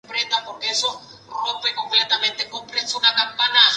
Debido a su coloración y tamaño inmenso, es visible desde grandes distancias.